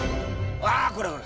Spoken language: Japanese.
わこれこれ！